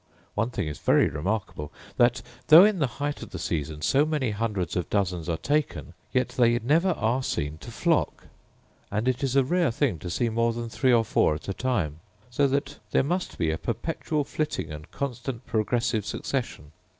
One thing is very remarkable — that though in the height of the season so many hundreds of dozens are taken, yet they never are seen to flock; and it is a rare thing to see more than three or four at a time: so that there must be a perpetual flitting and constant progressive succession.